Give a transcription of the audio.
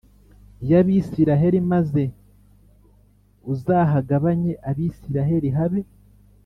Y abisirayeli maze uzahagabanye abisirayeli habe